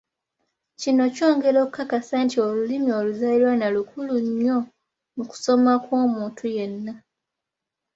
Kino kyongera kukakasa nti olulimi oluzaaliranwa lukulu nnyo mu kusoma kw’omuntu yenna.